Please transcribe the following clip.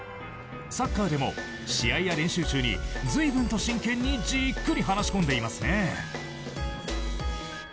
サッカーでも、試合や練習中に随分と真剣にじっくりと話し込んでいますね。